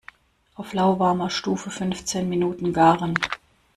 Auf lauwarmer Stufe fünfzehn Minuten garen.